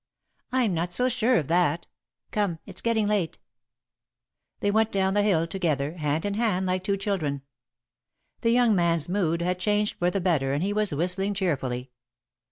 "I'm not so sure of that. Come, it's getting late." They went down the hill together, hand in hand like two children. The young man's mood had changed for the better and he was whistling cheerfully.